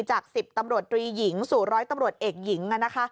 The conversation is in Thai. จาก๑๐ตำรวจตรีหญิงสู่ร้อยตำรวจเอกหญิง